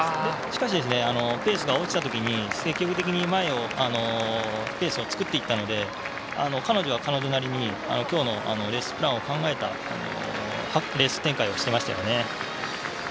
しかし、ペースが落ちたときに積極的にペース作っていったので彼女は彼女なりにきょうのレースプランを考えたレース展開をしていましたよね。